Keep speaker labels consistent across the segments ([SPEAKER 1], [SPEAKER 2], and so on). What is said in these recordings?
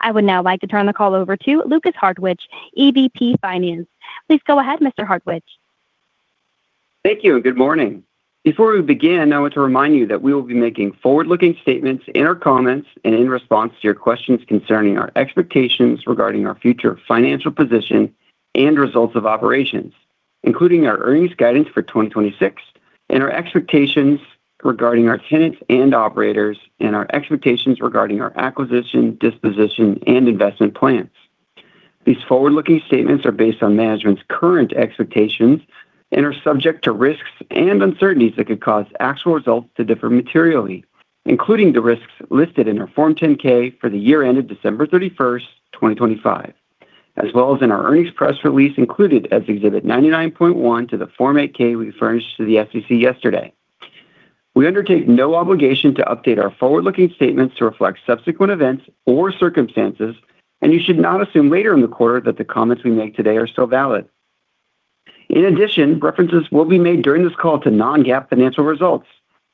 [SPEAKER 1] I would now like to turn the call over to Lukas Hartwich, EVP Finance. Please go ahead, Mr. Hartwich.
[SPEAKER 2] Thank you. Good morning. Before we begin, I want to remind you that we will be making forward-looking statements in our comments and in response to your questions concerning our expectations regarding our future financial position and results of operations, including our earnings guidance for 2026, and our expectations regarding our tenants and operators, and our expectations regarding our acquisition, disposition, and investment plans. These forward-looking statements are based on management's current expectations and are subject to risks and uncertainties that could cause actual results to differ materially, including the risks listed in our Form 10-K for the year ended December 31st, 2025. As well as in our earnings press release included as Exhibit 99.1 to the Form 8-K we furnished to the SEC yesterday. We undertake no obligation to update our forward-looking statements to reflect subsequent events or circumstances. You should not assume later in the quarter that the comments we make today are still valid. In addition, references will be made during this call to non-GAAP financial results.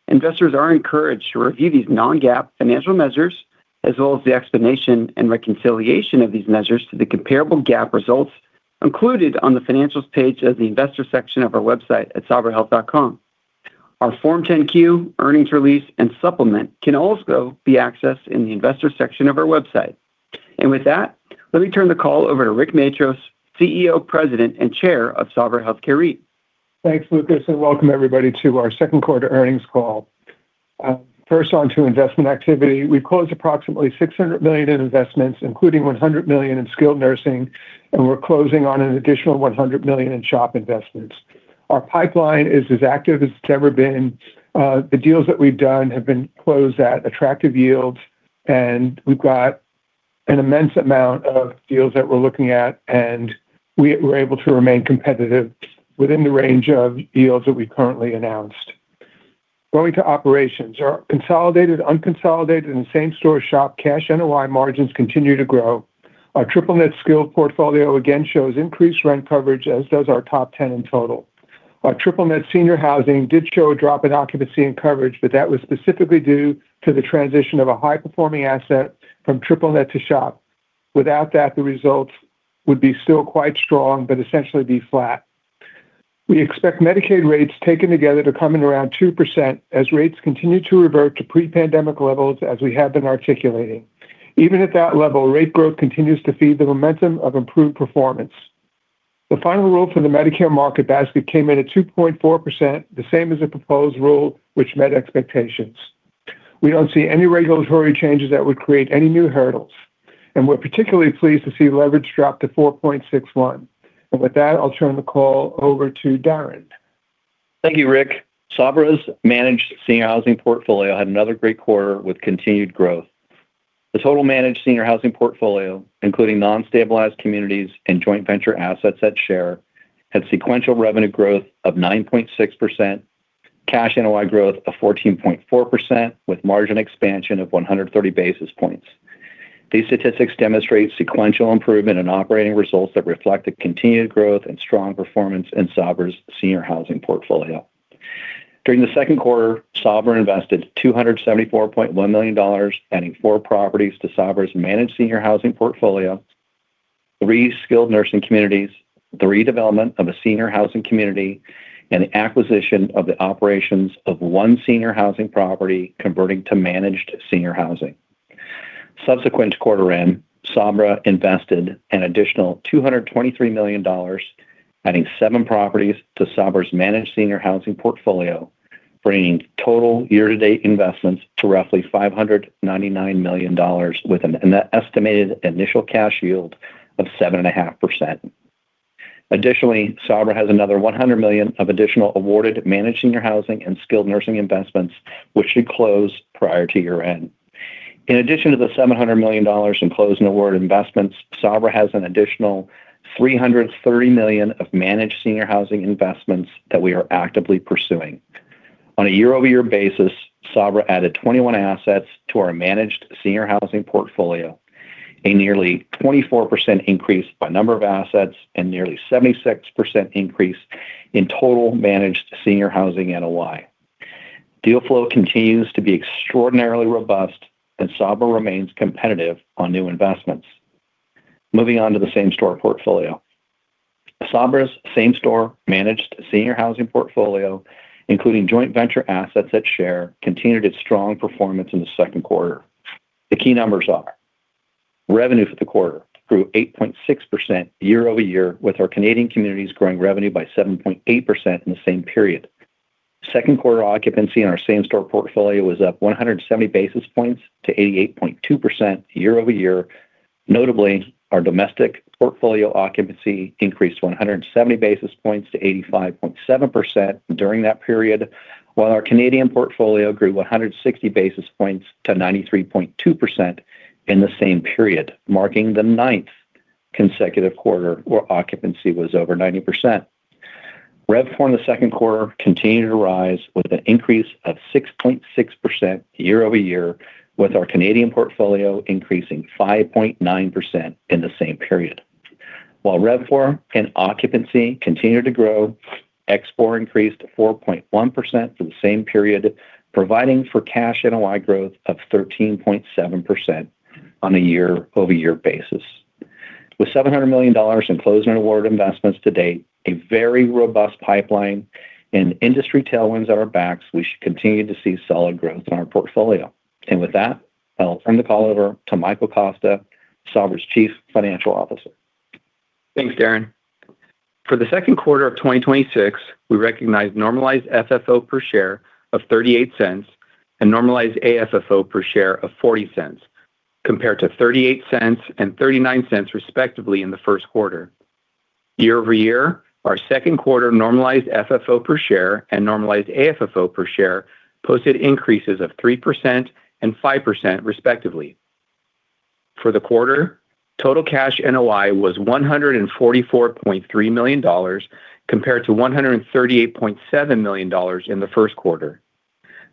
[SPEAKER 2] Investors are encouraged to review these non-GAAP financial measures, as well as the explanation and reconciliation of these measures to the comparable GAAP results included on the Financials page of the Investor section of our website at sabrahealth.com. Our Form 10-Q, earnings release, and supplement can also be accessed in the Investor section of our website. With that, let me turn the call over to Rick Matros, CEO, President, and Chair of Sabra Health Care REIT.
[SPEAKER 3] Thanks, Lukas. Welcome everybody to our second quarter earnings call. First, on to investment activity. We closed approximately $600 million in investments, including $100 million in skilled nursing. We're closing on an additional $100 million in SHOP investments. Our pipeline is as active as it's ever been. The deals that we've done have been closed at attractive yields. We've got an immense amount of deals that we're looking at. We're able to remain competitive within the range of deals that we currently announced. Going to operations. Our consolidated, unconsolidated, and same-store SHOP cash NOI margins continue to grow. Our triple-net skilled portfolio again shows increased rent coverage, as does our top 10 in total. Our triple-net senior housing did show a drop in occupancy and coverage, that was specifically due to the transition of a high-performing asset from triple-net to SHOP. Without that, the results would be still quite strong, but essentially be flat. We expect Medicaid rates taken together to come in around 2% as rates continue to revert to pre-pandemic levels as we have been articulating. Even at that level, rate growth continues to feed the momentum of improved performance. The final rule for the Medicare market basket came in at 2.4%, the same as the proposed rule, which met expectations. We don't see any regulatory changes that would create any new hurdles, and we're particularly pleased to see leverage drop to 4.61. With that, I'll turn the call over to Darrin.
[SPEAKER 4] Thank you, Rick. Sabra's Managed Senior Housing portfolio had another great quarter with continued growth. The total Managed Senior Housing portfolio, including non-stabilized communities and joint venture assets at share, had sequential revenue growth of 9.6%, cash NOI growth of 14.4% with margin expansion of 130 basis points. These statistics demonstrate sequential improvement in operating results that reflect the continued growth and strong performance in Sabra's Senior Housing portfolio. During the second quarter, Sabra invested $274.1 million, adding four properties to Sabra's Managed Senior Housing portfolio, three skilled nursing communities, the redevelopment of a senior housing community, and the acquisition of the operations of one senior housing property converting to managed senior housing. Subsequent to quarter end, Sabra invested an additional $223 million, adding seven properties to Sabra's Managed Senior Housing portfolio, bringing total year-to-date investments to roughly $599 million with an estimated initial cash yield of 7.5%. Additionally, Sabra has another $100 million of additional awarded managed senior housing and skilled nursing investments, which should close prior to year-end. In addition to the $700 million in closed and awarded investments, Sabra has an additional $330 million of managed senior housing investments that we are actively pursuing. On a year-over-year basis, Sabra added 21 assets to our Managed Senior Housing portfolio, a nearly 24% increase by number of assets and nearly 76% increase in total managed senior housing NOI. Deal flow continues to be extraordinarily robust, and Sabra remains competitive on new investments. Moving on to the same-store portfolio. Sabra's same-store Managed Senior Housing portfolio, including joint venture assets that share, continued its strong performance in the second quarter. The key numbers are: revenue for the quarter grew 8.6% year-over-year, with our Canadian communities growing revenue by 7.8% in the same period. Second quarter occupancy in our same-store portfolio was up 170 basis points to 88.2% year-over-year. Notably, our domestic portfolio occupancy increased 170 basis points to 85.7% during that period, while our Canadian portfolio grew 160 basis points to 93.2% in the same period, marking the ninth consecutive quarter where occupancy was over 90%. RevPAR in the second quarter continued to rise with an increase of 6.6% year-over-year, with our Canadian portfolio increasing 5.9% in the same period. While RevPAR and occupancy continued to grow, ExpPAR increased 4.1% for the same period, providing for cash NOI growth of 13.7% on a year-over-year basis. With $700 million in closed and award investments to date, a very robust pipeline, and industry tailwinds at our backs, we should continue to see solid growth in our portfolio. With that, I'll turn the call over to Michael Costa, Sabra's Chief Financial Officer.
[SPEAKER 5] Thanks, Darrin. For the second quarter of 2026, we recognized normalized FFO per share of $0.38 and normalized AFFO per share of $0.40, compared to $0.38 and $0.39, respectively, in the first quarter. Year-over-year, our second quarter normalized FFO per share and normalized AFFO per share posted increases of 3% and 5%, respectively. For the quarter, total cash NOI was $144.3 million, compared to $138.7 million in the first quarter.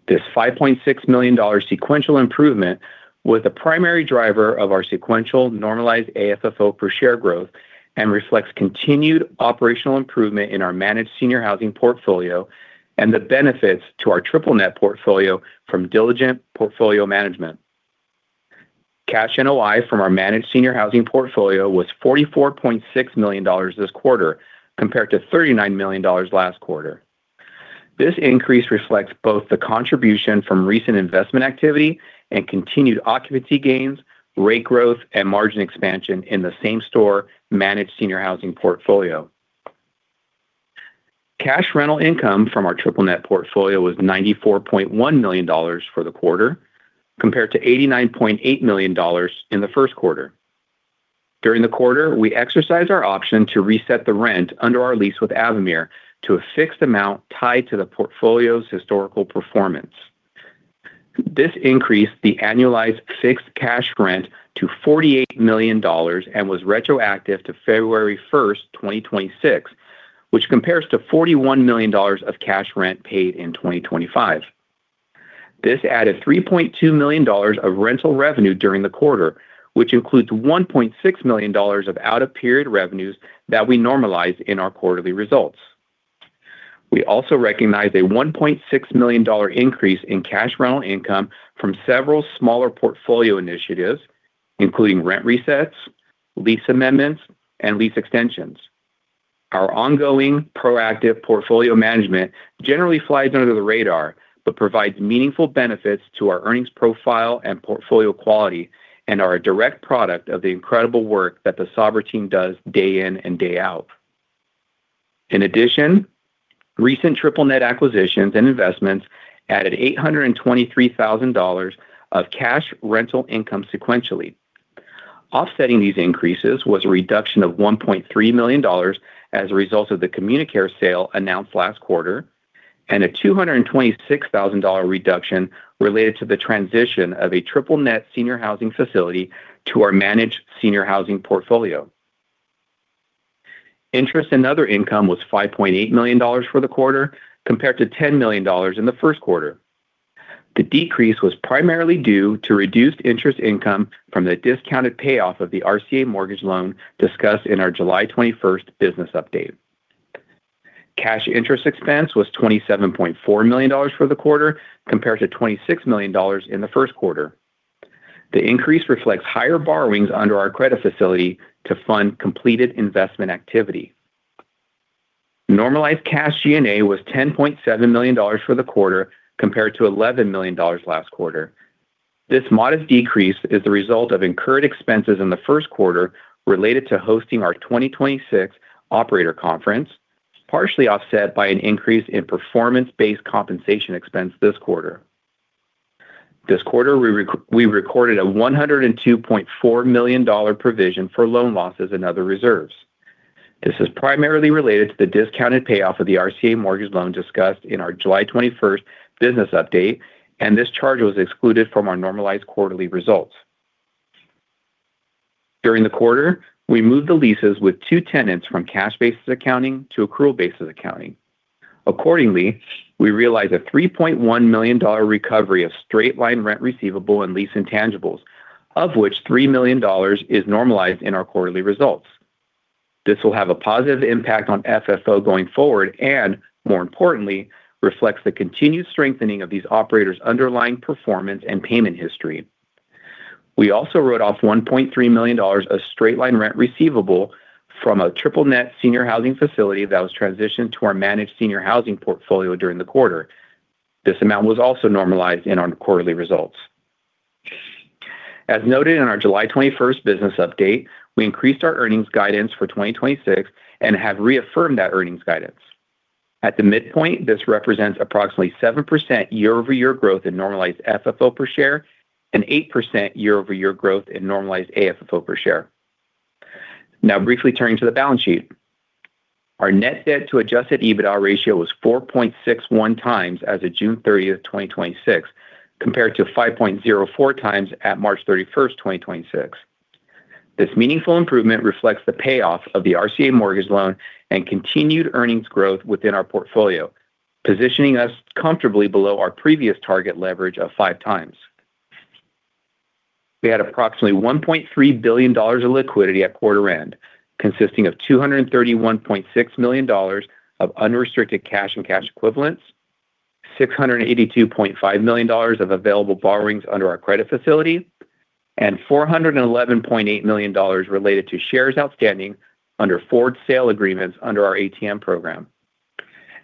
[SPEAKER 5] This $5.6 million sequential improvement was a primary driver of our sequential normalized AFFO per share growth and reflects continued operational improvement in our managed senior housing portfolio and the benefits to our triple-net portfolio from diligent portfolio management. Cash NOI from our managed senior housing portfolio was $44.6 million this quarter, compared to $39 million last quarter. This increase reflects both the contribution from recent investment activity and continued occupancy gains, rate growth, and margin expansion in the same store managed senior housing portfolio. Cash rental income from our triple-net portfolio was $94.1 million for the quarter, compared to $89.8 million in the first quarter. During the quarter, we exercised our option to reset the rent under our lease with Avamere to a fixed amount tied to the portfolio's historical performance. This increased the annualized fixed cash rent to $48 million and was retroactive to February 1st, 2026, which compares to $41 million of cash rent paid in 2025. This added $3.2 million of rental revenue during the quarter, which includes $1.6 million of out-of-period revenues that we normalize in our quarterly results. We also recognize a $1.6 million increase in cash rental income from several smaller portfolio initiatives, including rent resets, lease amendments, and lease extensions. Our ongoing proactive portfolio management generally flies under the radar, but provides meaningful benefits to our earnings profile and portfolio quality and are a direct product of the incredible work that the Sabra team does day in and day out. In addition, recent triple-net acquisitions and investments added $823,000 of cash rental income sequentially. Offsetting these increases was a reduction of $1.3 million as a result of the CommuniCare sale announced last quarter and a $226,000 reduction related to the transition of a triple-net senior housing facility to our managed senior housing portfolio. Interest and other income was $5.8 million for the quarter, compared to $10 million in the first quarter. The decrease was primarily due to reduced interest income from the discounted payoff of the RCA Mortgage Loan discussed in our July 21st business update. Cash interest expense was $27.4 million for the quarter, compared to $26 million in the first quarter. The increase reflects higher borrowings under our credit facility to fund completed investment activity. Normalized cash G&A was $10.7 million for the quarter, compared to $11 million last quarter. This modest decrease is the result of incurred expenses in the first quarter related to hosting our 2026 operator conference, partially offset by an increase in performance-based compensation expense this quarter. This quarter, we recorded a $102.4 million provision for loan losses and other reserves. This is primarily related to the discounted payoff of the RCA Mortgage Loan discussed in our July 21st business update, and this charge was excluded from our normalized quarterly results. During the quarter, we moved the leases with two tenants from cash basis accounting to accrual basis accounting. Accordingly, we realized a $3.1 million recovery of straight-line rent receivable and lease intangibles, of which $3 million is normalized in our quarterly results. This will have a positive impact on FFO going forward and, more importantly, reflects the continued strengthening of these operators' underlying performance and payment history. We also wrote off $1.3 million of straight-line rent receivable from a triple-net senior housing facility that was transitioned to our managed senior housing portfolio during the quarter. This amount was also normalized in our quarterly results. As noted in our July 21st business update, we increased our earnings guidance for 2026 and have reaffirmed that earnings guidance. At the midpoint, this represents approximately 7% year-over-year growth in normalized FFO per share and 8% year-over-year growth in normalized AFFO per share. Briefly turning to the balance sheet. Our net debt to adjusted EBITDA ratio was 4.61 times as of June 30th, 2026, compared to 5.04 times at March 31st, 2026. This meaningful improvement reflects the payoff of the RCA Mortgage Loan and continued earnings growth within our portfolio, positioning us comfortably below our previous target leverage of five times. We had approximately $1.3 billion of liquidity at quarter end, consisting of $231.6 million of unrestricted cash and cash equivalents, $682.5 million of available borrowings under our credit facility, and $411.8 million related to shares outstanding under forward sale agreements under our ATM program.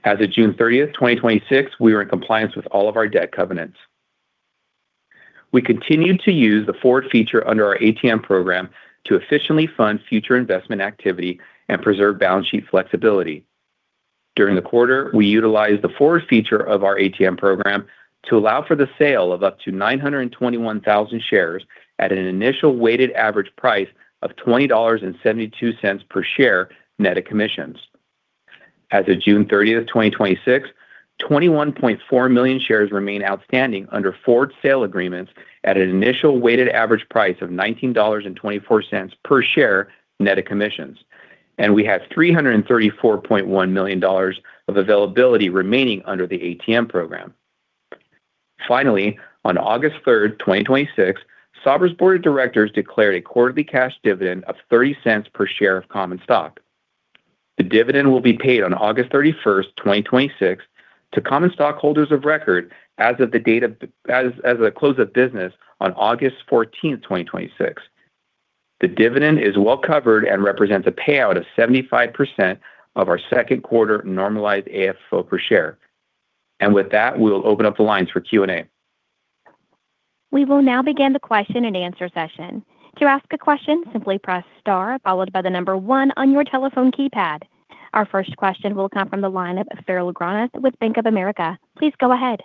[SPEAKER 5] As of June 30th, 2026, we were in compliance with all of our debt covenants. We continued to use the forward feature under our ATM program to efficiently fund future investment activity and preserve balance sheet flexibility. During the quarter, we utilized the forward feature of our ATM program to allow for the sale of up to 921,000 shares at an initial weighted average price of $20.72 per share, net of commissions. As of June 30th, 2026, 21.4 million shares remain outstanding under forward sale agreements at an initial weighted average price of $19.24 per share, net of commissions. We have $334.1 million of availability remaining under the ATM program. Finally, on August 3rd, 2026, Sabra's board of directors declared a quarterly cash dividend of $0.30 per share of common stock. The dividend will be paid on August 31st, 2026, to common stockholders of record as of the close of business on August 14th, 2026. The dividend is well covered and represents a payout of 75% of our second quarter normalized AFFO per share. With that, we'll open up the lines for Q&A.
[SPEAKER 1] We will now begin the question and answer session. To ask a question, simply press star, followed by one on your telephone keypad. Our first question will come from the line of Farrell Granath with Bank of America. Please go ahead.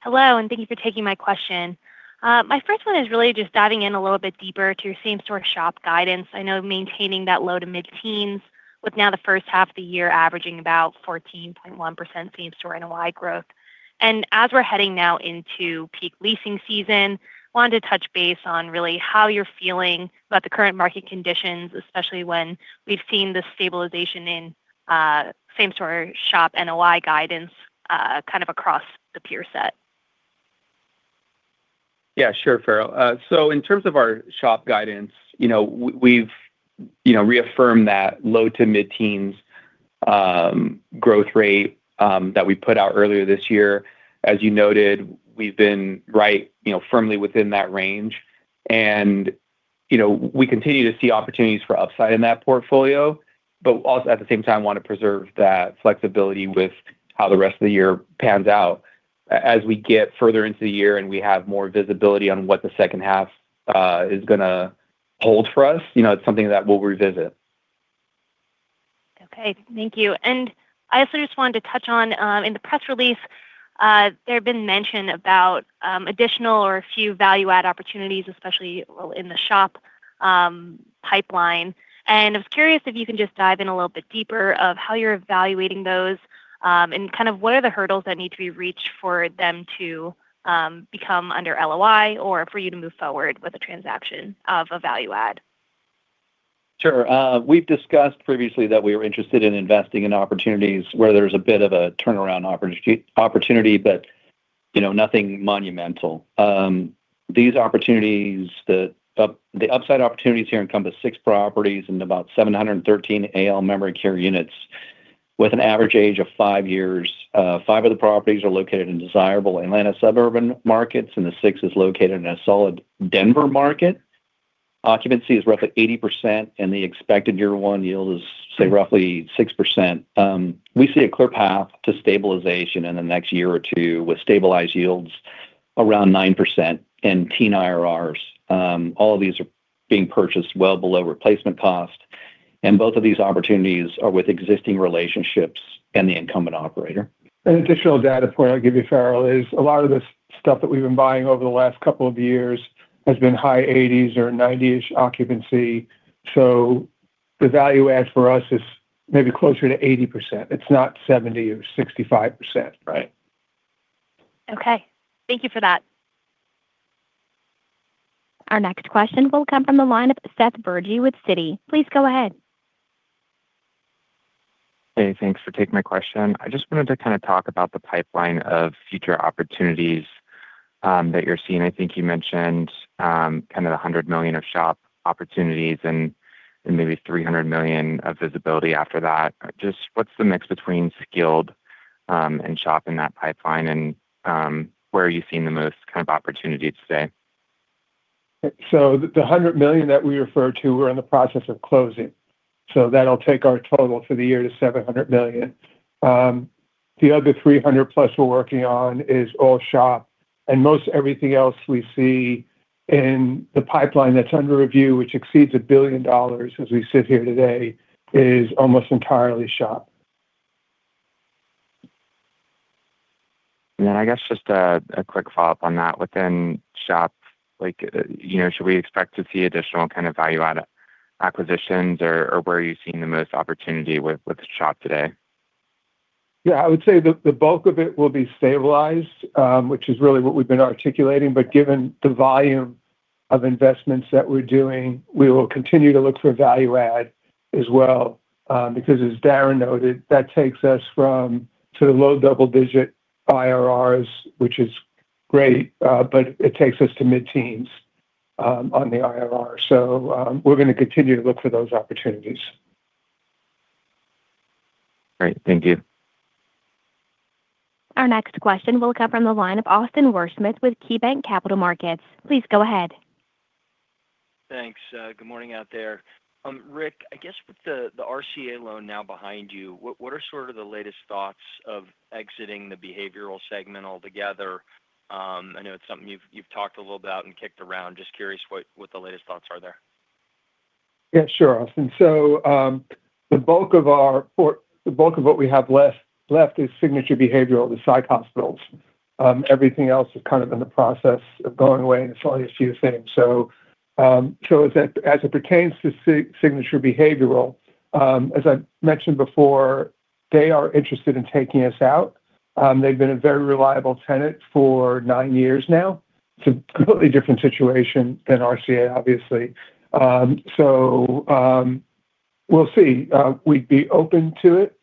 [SPEAKER 6] Hello, thank you for taking my question. My first one is really just diving in a little bit deeper to your same-store SHOP guidance. I know maintaining that low to mid-teens, with now the first half of the year averaging about 14.1% same-store NOI growth. As we're heading now into peak leasing season, wanted to touch base on really how you're feeling about the current market conditions,. Especially, when we've seen the stabilization in same-store SHOP NOI guidance kind of across the peer set.
[SPEAKER 5] Yeah, sure, Farrell. In terms of our SHOP guidance, we've reaffirmed that low to mid-teens growth rate that we put out earlier this year. As you noted, we've been right firmly within that range. We continue to see opportunities for upside in that portfolio, but also at the same time, want to preserve that flexibility with how the rest of the year pans out. As we get further into the year and we have more visibility on what the second half is going to hold for us, it's something that we'll revisit.
[SPEAKER 6] Okay. Thank you. I also just wanted to touch on in the press release, there have been mention about additional or a few value add opportunities, especially in the SHOP pipeline. I was curious if you can just dive in a little bit deeper of how you're evaluating those, and kind of what are the hurdles that need to be reached for them to become under LOI, or for you to move forward with a transaction of a value add?
[SPEAKER 5] Sure. We’ve discussed previously that we were interested in investing in opportunities where there’s a bit of a turnaround opportunity, but nothing monumental. The upside opportunities here encompass six properties and about 713 AL memory care units with an average age of five years. Five of the properties are located in desirable Atlanta suburban markets, and the sixth is located in a solid Denver market. Occupancy is roughly 80%, and the expected year one yield is say, roughly 6%. We see a clear path to stabilization in the next year or two, with stabilized yields around 9% and teen IRRs. All of these are being purchased well below replacement cost. Both of these opportunities are with existing relationships and the incumbent operator.
[SPEAKER 3] An additional data point I’ll give you, Farrell, is a lot of this stuff that we’ve been buying over the last couple of years has been high 80s or 90-ish occupancy. The value add for us is maybe closer to 80%. It’s not 70 or 65%.
[SPEAKER 5] Right.
[SPEAKER 6] Okay. Thank you for that.
[SPEAKER 1] Our next question will come from the line of Seth Bergey with Citi. Please go ahead.
[SPEAKER 7] Hey, thanks for taking my question. I just wanted to kind of talk about the pipeline of future opportunities that you're seeing. I think you mentioned kind of the $100 million of SHOP opportunities and maybe $300 million of visibility after that. Just what's the mix between Skilled and SHOP in that pipeline, and where are you seeing the most kind of opportunity today?
[SPEAKER 3] The $100 million that we referred to, we're in the process of closing. That'll take our total for the year to $700 million. The other $300+ we're working on is all SHOP. Most everything else we see in the pipeline that's under review, which exceeds $1 billion as we sit here today is almost entirely SHOP.
[SPEAKER 7] I guess just a quick follow-up on that. Within SHOP, should we expect to see additional kind of value add acquisitions, or where are you seeing the most opportunity with SHOP today?
[SPEAKER 3] Yeah, I would say the bulk of it will be stabilized, which is really what we've been articulating. Given the volume of investments that we're doing, we will continue to look for value add as well, because as Darrin noted, that takes us from to low double digit IRRs, which is great, but it takes us to mid-teens on the IRR. We're going to continue to look for those opportunities.
[SPEAKER 7] Great. Thank you.
[SPEAKER 1] Our next question will come from the line of Austin Wurschmidt with KeyBanc Capital Markets. Please go ahead.
[SPEAKER 8] Thanks. Good morning out there. Rick, I guess with the RCA Loan now behind you, what are sort of the latest thoughts of exiting the behavioral segment altogether? I know it's something you've talked a little about and kicked around. Just curious what the latest thoughts are there.
[SPEAKER 3] Yeah sure, Austin. The bulk of what we have left is Signature Behavioral, the psych hospitals. Everything else is kind of in the process of going away, and it's only a few things. As it pertains to Signature Behavioral, as I mentioned before, they are interested in taking us out. They've been a very reliable tenant for nine years now. It's a completely different situation than RCA, obviously. We'll see. We'd be open to it,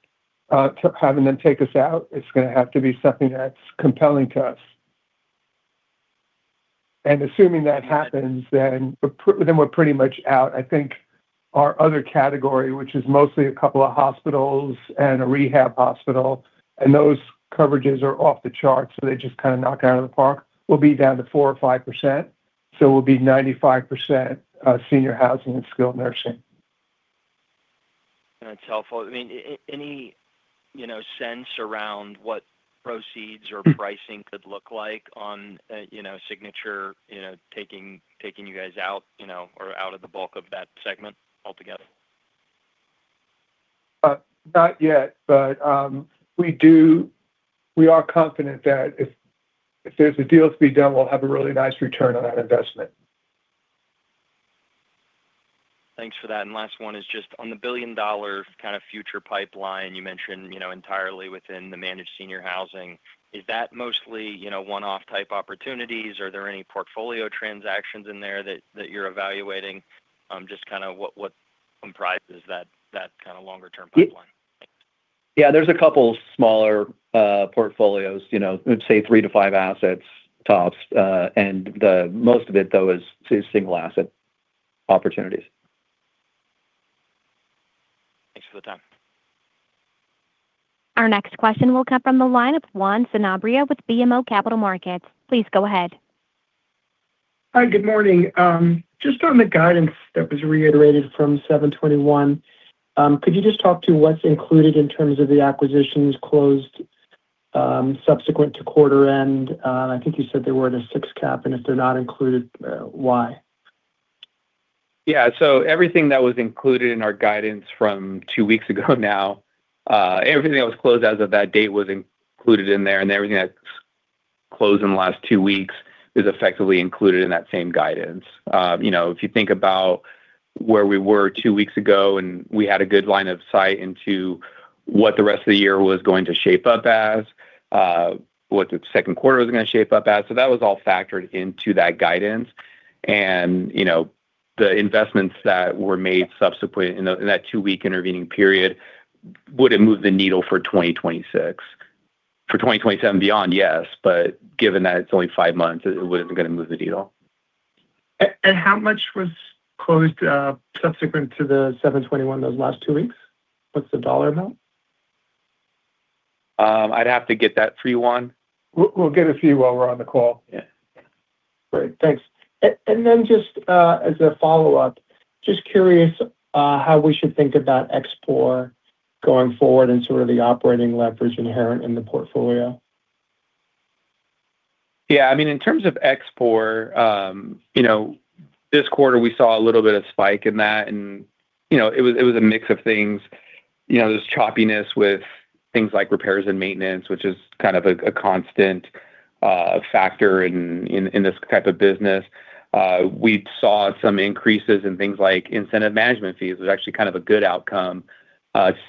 [SPEAKER 3] to having them take us out. It's going to have to be something that's compelling to us. Assuming that happens, then we're pretty much out. I think our other category, which is mostly a couple of hospitals and a rehab hospital, and those coverages are off the charts, so they just kind of knock it out of the park, will be down to 4% or 5%. We'll be 95% senior housing and skilled nursing.
[SPEAKER 8] That's helpful. Any sense around what proceeds or pricing could look like on Signature taking you guys out or out of the bulk of that segment altogether?
[SPEAKER 3] Not yet, we are confident that if there's a deal to be done, we'll have a really nice return on that investment.
[SPEAKER 8] Thanks for that. Last one is just on the billion-dollar kind of future pipeline you mentioned entirely within the managed senior housing. Is that mostly one-off type opportunities? Are there any portfolio transactions in there that you're evaluating? Just what comprises that kind of longer term pipeline?
[SPEAKER 3] Yeah, there's a couple smaller portfolios, say three to five assets tops. The most of it though, is single asset opportunities.
[SPEAKER 8] Thanks for the time.
[SPEAKER 1] Our next question will come from the line of Juan Sanabria with BMO Capital Markets. Please go ahead.
[SPEAKER 9] Hi, good morning. Just on the guidance that was reiterated from 721, could you just talk to what's included in terms of the acquisitions closed subsequent to quarter end? I think you said they were in a six cap, if they're not included, why?
[SPEAKER 5] Yeah. Everything that was included in our guidance from two weeks ago now, everything that was closed as of that date was included in there. Everything that's closed in the last two weeks is effectively included in that same guidance. If you think about where we were two weeks ago, we had a good line of sight into what the rest of the year was going to shape up as, what the second quarter was going to shape up as. That was all factored into that guidance. The investments that were made subsequently in that two-week intervening period wouldn't move the needle for 2026. For 2027 beyond, yes. Given that it's only five months, it wasn't going to move the needle.
[SPEAKER 9] How much was closed subsequent to the 721, those last two weeks? What's the dollar amount?
[SPEAKER 5] I'd have to get that for you, Juan.
[SPEAKER 3] We'll get it for you while we're on the call.
[SPEAKER 9] Great. Thanks. Just as a follow-up, just curious how we should think about ExpPAR going forward and sort of the operating leverage inherent in the portfolio.
[SPEAKER 5] In terms of ExpPAR, this quarter, we saw a little bit of spike in that, and it was a mix of things. There's choppiness with things like repairs and maintenance, which is kind of a constant factor in this type of business. We saw some increases in things like incentive management fees, was actually kind of a good outcome,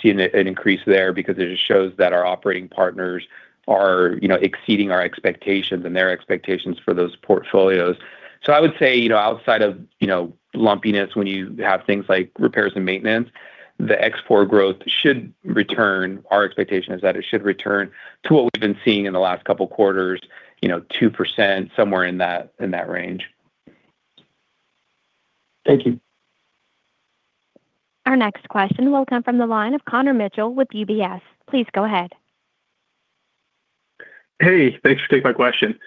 [SPEAKER 5] seeing an increase there because it just shows that our operating partners are exceeding our expectations and their expectations for those portfolios. I would say, outside of lumpiness, when you have things like repairs and maintenance, the ExpPAR growth should return. Our expectation is that it should return to what we've been seeing in the last couple of quarters, 2%, somewhere in that range.
[SPEAKER 9] Thank you.
[SPEAKER 1] Our next question will come from the line of Connor Mitchell with UBS. Please go ahead.
[SPEAKER 10] Thanks for taking my question.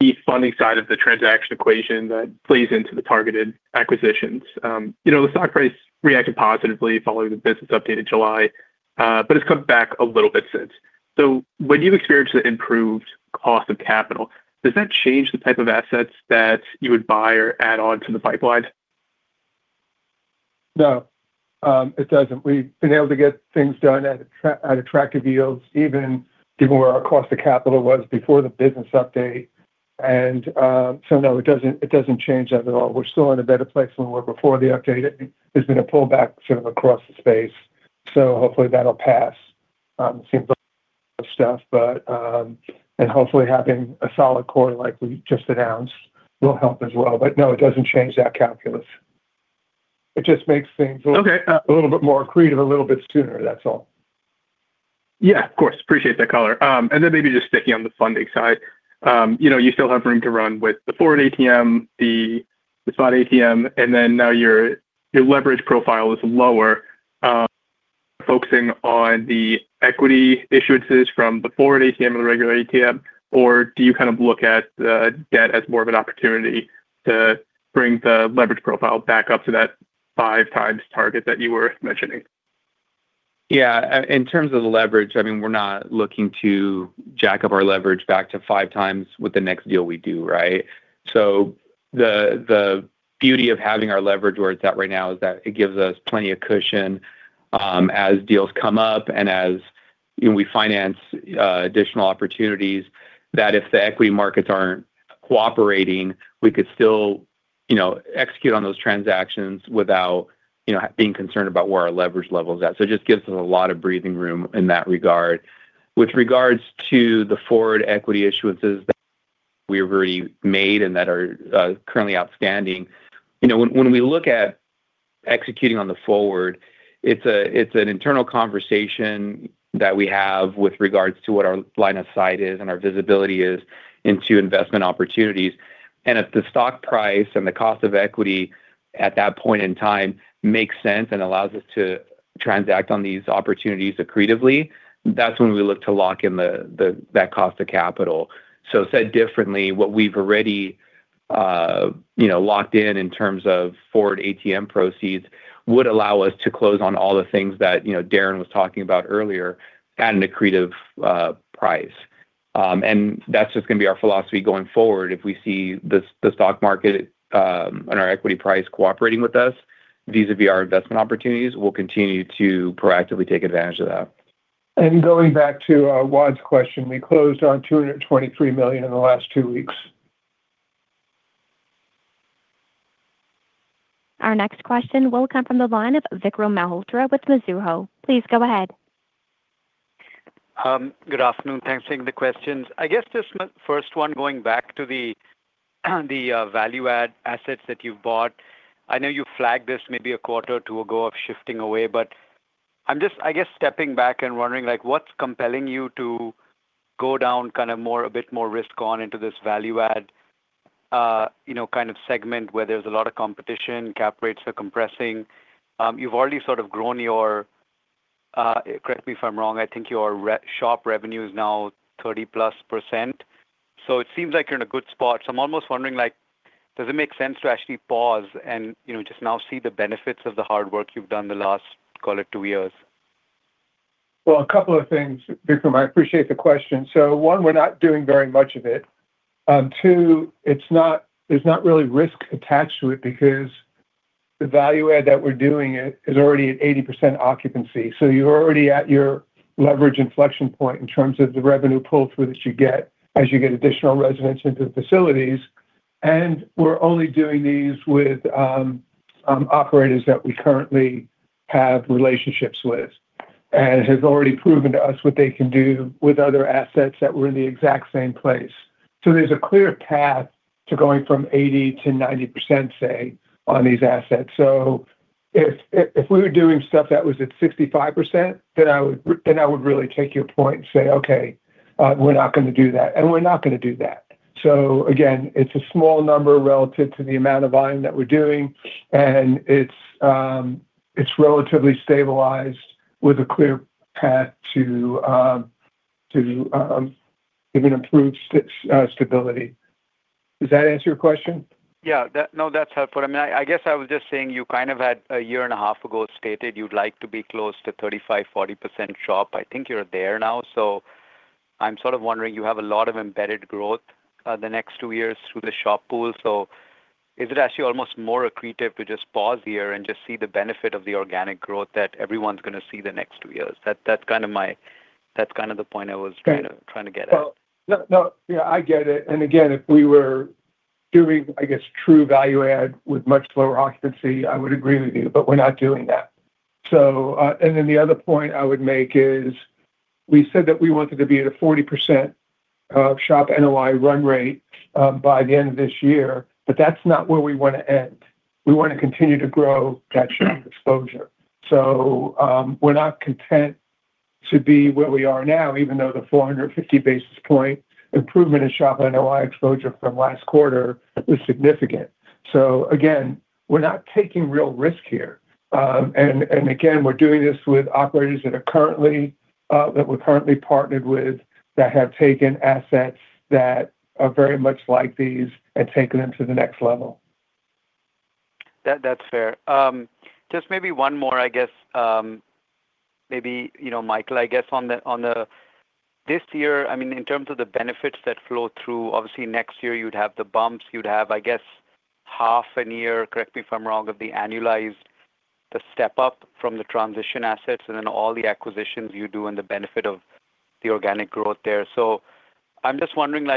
[SPEAKER 10] The funding side of the transaction equation that plays into the targeted acquisitions. The stock price reacted positively following the business update in July, but it's come back a little bit since. When you've experienced the improved cost of capital, does that change the type of assets that you would buy or add on to the pipeline?
[SPEAKER 3] No. It doesn't. We've been able to get things done at attractive yields, even given where our cost of capital was before the business update. No, it doesn't change that at all. We're still in a better place than we were before the update. There's been a pullback sort of across the space. Hopefully that'll pass soon, and hopefully having a solid core like we just announced will help as well. No, it doesn't change that calculus. It just makes things-
[SPEAKER 10] Okay, a little bit more accretive a little bit sooner. That's all. Yeah, of course. Appreciate that color. Maybe just sticking on the funding side. You still have room to run with the forward ATM, the spot ATM, and then now your leverage profile is lower. Focusing on the equity issuances from the forward ATM or the regular ATM, or do you kind of look at the debt as more of an opportunity to bring the leverage profile back up to that five times target that you were mentioning?
[SPEAKER 5] Yeah. In terms of the leverage, we're not looking to jack up our leverage back to five times with the next deal we do. Right? The beauty of having our leverage where it's at right now is that it gives us plenty of cushion, as deals come up and as we finance additional opportunities that if the equity markets aren't cooperating, we could still execute on those transactions without being concerned about where our leverage level is at. It just gives us a lot of breathing room in that regard. With regards to the forward equity issuances that we've already made and that are currently outstanding, when we look at executing on the forward, it's an internal conversation that we have with regards to what our line of sight is and our visibility is into investment opportunities. If the stock price and the cost of equity at that point in time makes sense and allows us to transact on these opportunities accretively, that's when we look to lock in that cost of capital. Said differently, what we've already locked in in terms of forward ATM proceeds would allow us to close on all the things that Darrin was talking about earlier at an accretive price. That's just going to be our philosophy going forward. If we see the stock market, and our equity price cooperating with us, vis-a-vis our investment opportunities, we'll continue to proactively take advantage of that.
[SPEAKER 3] Going back to Wad's question, we closed on $223 million in the last two weeks.
[SPEAKER 1] Our next question will come from the line of Vikram Malhotra with Mizuho. Please go ahead.
[SPEAKER 11] Good afternoon. Thanks for taking the questions. Just my first one, going back to the value add assets that you've bought. I know you flagged this maybe a quarter or two ago of shifting away, but I'm just stepping back and wondering what's compelling you to go down kind of a bit more risk on into this value add kind of segment where there's a lot of competition, cap rates are compressing. You've already sort of grown your Correct me if I'm wrong, I think your SHOP revenue is now 30%+. It seems like you're in a good spot. I'm almost wondering, like, does it make sense to actually pause and just now see the benefits of the hard work you've done the last call it, two years?
[SPEAKER 3] Well, a couple of things, Vikram. I appreciate the question. One, we're not doing very much of it. Two, there's not really risk attached to it because the value add that we're doing it is already at 80% occupancy. You're already at your leverage inflection point in terms of the revenue pull-through that you get as you get additional residents into the facilities. We're only doing these with operators that we currently have relationships with and have already proven to us what they can do with other assets that were in the exact same place. There's a clear path to going from 80% to 90%, say, on these assets. If we were doing stuff that was at 65%, then I would really take your point and say, "Okay, we're not going to do that." We're not going to do that. Again, it's a small number relative to the amount of volume that we're doing, and it's relatively stabilized with a clear path to even improved stability. Does that answer your question?
[SPEAKER 11] Yeah. No, that's helpful. I was just saying you kind of had a year and a half ago stated you'd like to be close to 35%, 40% SHOP. I think you're there now. I'm sort of wondering, you have a lot of embedded growth, the next two years through the SHOP pool. Is it actually almost more accretive to just pause here and just see the benefit of the organic growth that everyone's going to see the next two years? That's kind of the point I was trying to get at.
[SPEAKER 3] No. I get it. Again, if we were doing, I guess, true value add with much lower occupancy, I would agree with you, but we're not doing that. The other point I would make is. We said that we wanted to be at a 40% SHOP NOI run rate by the end of this year, but that's not where we want to end. We want to continue to grow that SHOP exposure. We're not content to be where we are now, even though the 450 basis point improvement in SHOP NOI exposure from last quarter was significant. Again, we're not taking real risk here. Again, we're doing this with operators that we're currently partnered with, that have taken assets that are very much like these and taken them to the next level.
[SPEAKER 11] That's fair. Just maybe one more, I guess, maybe Michael, I guess on the this year, in terms of the benefits that flow through. Obviously next year you'd have the bumps, you'd have, I guess, half a year correct me if I'm wrong, of the annualized, the step-up from the transition assets, and then all the acquisitions you do and the benefit of the organic growth there. I'm just wondering,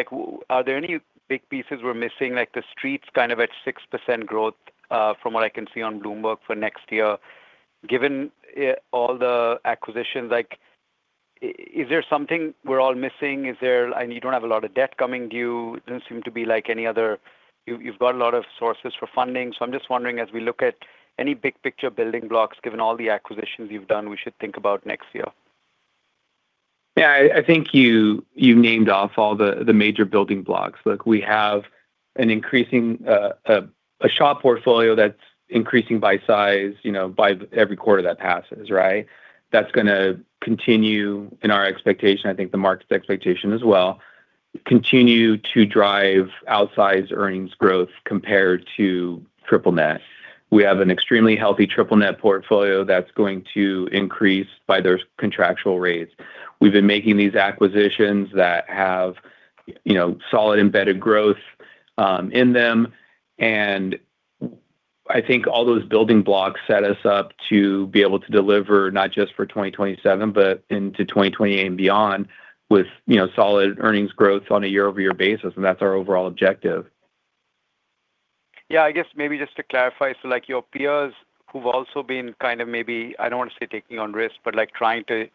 [SPEAKER 11] are there any big pieces we're missing? The Street's kind of at 6% growth, from what I can see on Bloomberg for next year. Given all the acquisitions, is there something we're all missing? You don't have a lot of debt coming due, doesn't seem to be like any other. You've got a lot of sources for funding. I'm just wondering, as we look at any big picture building blocks, given all the acquisitions you've done, we should think about next year.
[SPEAKER 5] Yeah. I think you named off all the major building blocks. We have a SHOP portfolio that's increasing by size, by every quarter that passes, right? That's going to continue in our expectation, I think the market's expectation as well, continue to drive outsized earnings growth compared to triple net. We have an extremely healthy triple net portfolio that's going to increase by those contractual rates. We've been making these acquisitions that have solid embedded growth in them. I think all those building blocks set us up to be able to deliver not just for 2027, but into 2028 and beyond, with solid earnings growth on a year-over-year basis, and that's our overall objective.
[SPEAKER 11] Yeah, I guess maybe just to clarify. Your peers who've also been kind of maybe, I don't want to say taking on risk but trying to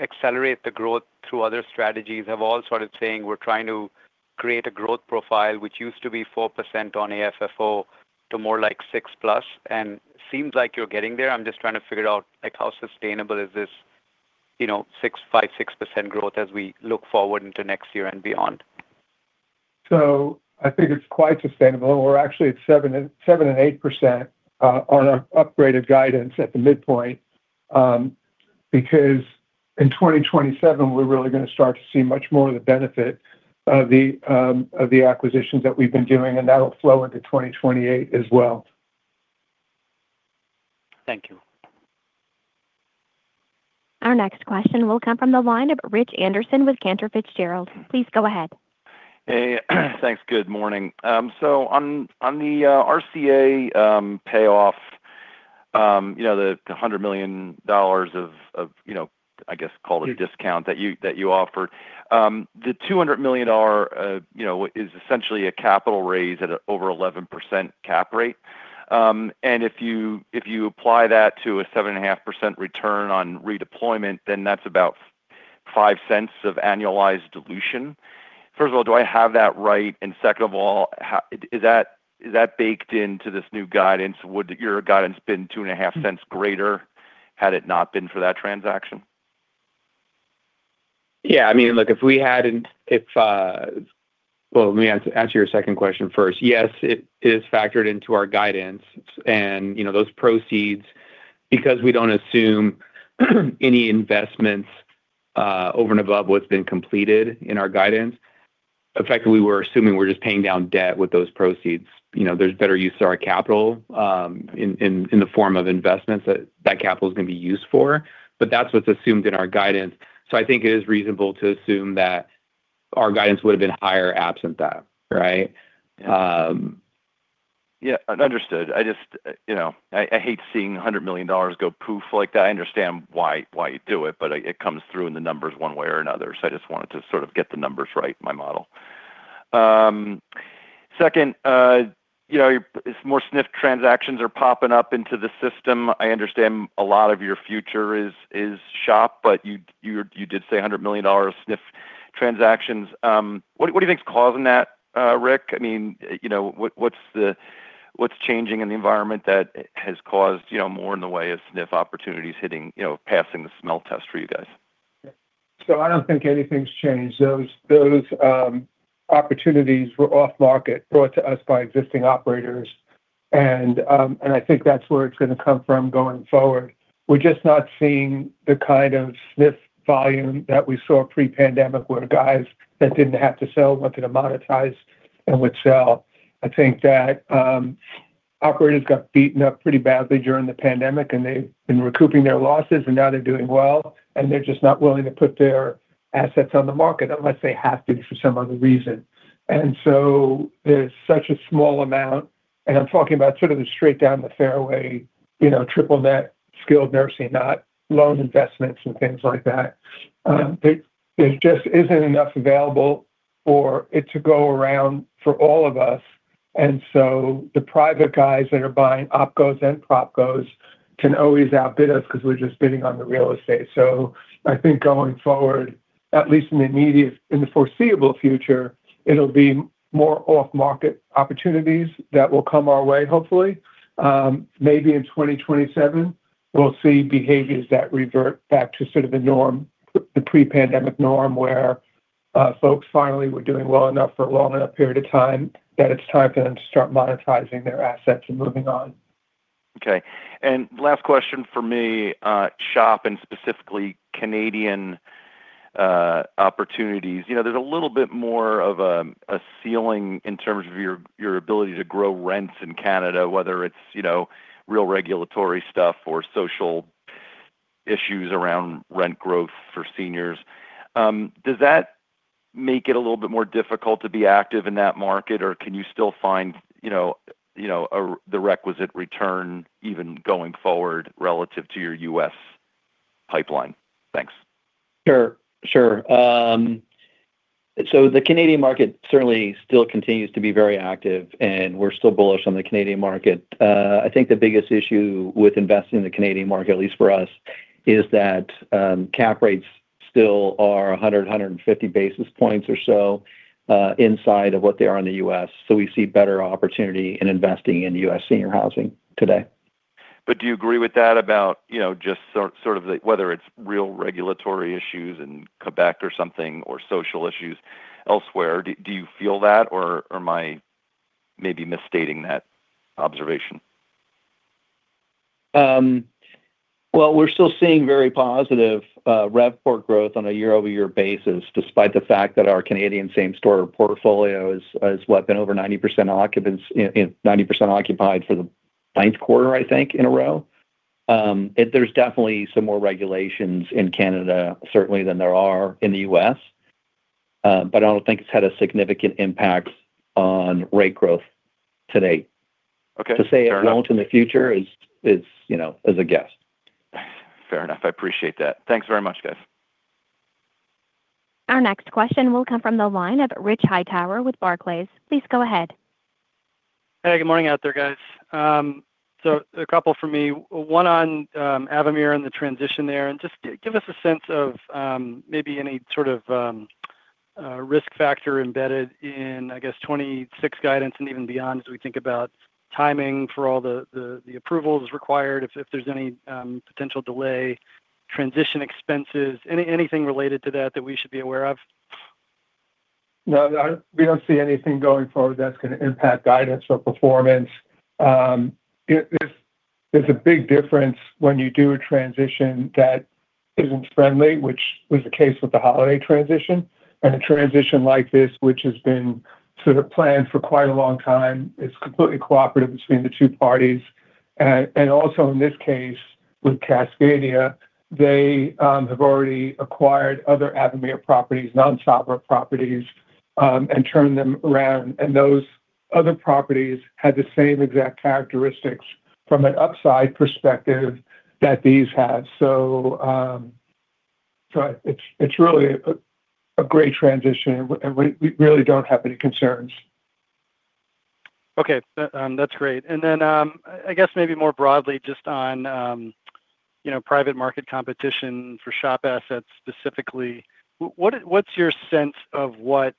[SPEAKER 11] accelerate the growth through other strategies, have all started saying, "We're trying to create a growth profile," which used to be 4% on AFFO to more like 6+, and seems like you're getting there. I'm just trying to figure out how sustainable is this, 5%-6% growth as we look forward into next year and beyond.
[SPEAKER 3] I think it's quite sustainable. We're actually at 7%-8% on our upgraded guidance at the midpoint. Because in 2027, we're really going to start to see much more of the benefit of the acquisitions that we've been doing, and that'll flow into 2028 as well.
[SPEAKER 11] Thank you.
[SPEAKER 1] Our next question will come from the line of Rich Anderson with Cantor Fitzgerald. Please go ahead.
[SPEAKER 12] Hey. Thanks. Good morning. On the RCA payoff the $100 million of. I guess, call it discount that you offered the $200 million is essentially a capital raise at over 11% cap rate. If you apply that to a 7.5% return on redeployment, that's about $0.05 of annualized dilution. First of all, do I have that right? Second of all, is that baked into this new guidance? Would your guidance been $0.025 greater had it not been for that transaction?
[SPEAKER 5] Yeah. Well, let me answer your second question first. Yes, it is factored into our guidance and those proceeds, because we don't assume any investments over and above what's been completed in our guidance. Effectively, we're assuming we're just paying down debt with those proceeds. There's better use of our capital in the form of investments that that capital is going to be used for. That's what's assumed in our guidance. I think it is reasonable to assume that our guidance would've been higher absent that. Right?
[SPEAKER 12] Yeah. Understood. I hate seeing $100 million go poof like that. I understand why you do it, but it comes through in the numbers one way or another. I just wanted to sort of get the numbers right in my model. Second, more SNF transactions are popping up into the system. I understand a lot of your future is SHOP, but you did say $100 million SNF transactions. What do you think is causing that, Rick? What's changing in the environment that has caused more in the way of SNF opportunities passing the smell test for you guys?
[SPEAKER 3] I don't think anything's changed. Those opportunities were off market, brought to us by existing operators. I think that's where it's going to come from going forward. We're just not seeing the kind of SNF volume that we saw pre-pandemic, where guys that didn't have to sell, looking to monetize and would sell. I think that operators got beaten up pretty badly during the pandemic, and they've been recouping their losses, and now they're doing well, and they're just not willing to put their assets on the market unless they have to for some other reason. There's such a small amount, and I'm talking about sort of the straight down the fairway, triple net, skilled nursing, not loan investments and things like that. There just isn't enough available for it to go around for all of us. The private guys that are buying OpCos and PropCos can always outbid us because we're just bidding on the real estate. I think going forward, at least in the foreseeable future, it'll be more off-market opportunities that will come our way, hopefully. Maybe in 2027 we'll see behaviors that revert back to sort of the pre-pandemic norm, where folks finally were doing well enough for a long enough period of time that it's time for them to start monetizing their assets and moving on.
[SPEAKER 12] Okay. Last question from me. SHOP and specifically Canadian opportunities. There's a little bit more of a ceiling in terms of your ability to grow rents in Canada, whether it's real regulatory stuff or social issues around rent growth for seniors. Does that make it a little bit more difficult to be active in that market, or can you still find the requisite return even going forward relative to your U.S. Pipeline. Thanks.
[SPEAKER 4] Sure. The Canadian market certainly still continues to be very active, and we're still bullish on the Canadian market. I think the biggest issue with investing in the Canadian market, at least for us is that cap rates still are 100 to 150 basis points or so inside of what they are in the U.S. We see better opportunity in investing in U.S. senior housing today.
[SPEAKER 12] Do you agree with that about just sort of whether it's real regulatory issues in Quebec or something, or social issues elsewhere? Do you feel that, or am I maybe misstating that observation?
[SPEAKER 4] Well, we're still seeing very positive RevPOR growth on a year-over-year basis, despite the fact that our Canadian same-store portfolio has what, been over 90% occupied for the ninth quarter, I think, in a row. There's definitely some more regulations in Canada, certainly, than there are in the U.S. I don't think it's had a significant impact on rate growth to date.
[SPEAKER 12] Okay. Fair enough.
[SPEAKER 4] To say it won't in the future is a guess.
[SPEAKER 12] Fair enough. I appreciate that. Thanks very much, guys.
[SPEAKER 1] Our next question will come from the line of Rich Hightower with Barclays. Please go ahead.
[SPEAKER 13] Hey, good morning out there, guys. A couple from me. One on Avamere and the transition there, and just give us a sense of maybe any sort of risk factor embedded in, I guess, 2026 guidance and even beyond as we think about timing for all the approvals required, if there's any potential delay, transition expenses, anything related to that that we should be aware of.
[SPEAKER 3] No, we don't see anything going forward that's going to impact guidance or performance. There's a big difference when you do a transition that isn't friendly, which was the case with the Holiday transition. A transition like this, which has been sort of planned for quite a long time. It's completely cooperative between the two parties. In this case with Cascadia, they have already acquired other Avamere properties, non-ShopRite properties, and turned them around. Those other properties had the same exact characteristics from an upside perspective that these have. It's really a great transition, and we really don't have any concerns.
[SPEAKER 13] Okay. That's great. Then, I guess maybe more broadly, just on private market competition for SHOP assets specifically. What's your sense of what,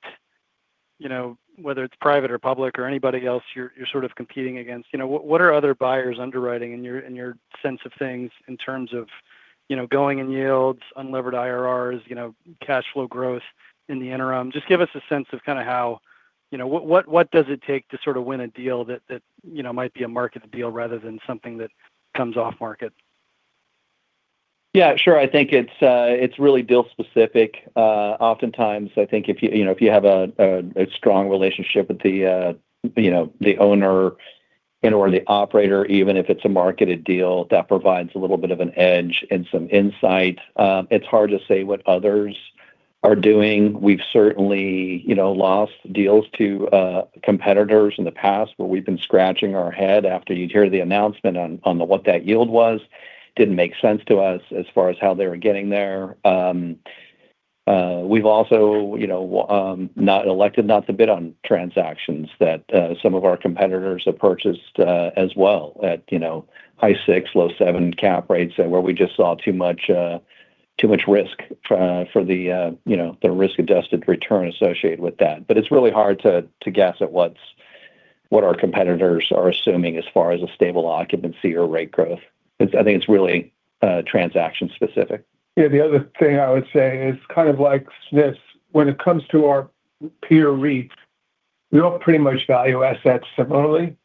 [SPEAKER 13] whether it's private or public or anybody else you're sort of competing against. What are other buyers underwriting in your sense of things in terms of going in yields, unlevered IRRs, cash flow growth in the interim? Just give us a sense of what does it take to sort of win a deal that might be a marketed deal rather than something that comes off market?
[SPEAKER 4] Yeah, sure. I think it's really deal specific. Oftentimes, I think if you have a strong relationship with the owner and/or the operator, even if it's a marketed deal that provides a little bit of an edge and some insight. It's hard to say what others are doing. We've certainly lost deals to competitors in the past where we've been scratching our head after you'd hear the announcement on what that yield was. Didn't make sense to us as far as how they were getting there. We've also elected not to bid on transactions that some of our competitors have purchased as well at high six, low seven cap rates, where we just saw too much risk for the risk-adjusted return associated with that. It's really hard to guess at what our competitors are assuming as far as a stable occupancy or rate growth. I think it's really transaction specific.
[SPEAKER 3] Yeah, the other thing I would say is kind of like this. When it comes to our peer REITs, we all pretty much value assets similarly.